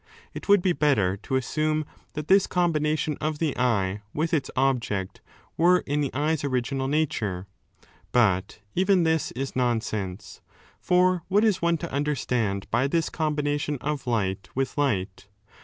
It would be better to assume that this com bination of the eye with its object were in the eye's original nature. But even this is nonsense. For what is one to understand by this combination of light with light